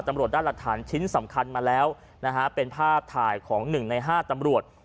ตำรวจได้หลักฐานชิ้นสำคัญมาแล้วนะฮะเป็นภาพถ่ายของ๑ใน๕ตำรวจ